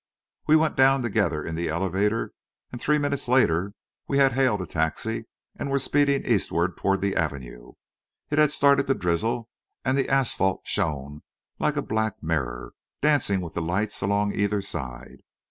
We went down together in the elevator, and three minutes later we had hailed a taxi and were speeding eastward toward the Avenue. It had started to drizzle, and the asphalt shone like a black mirror, dancing with the lights along either side.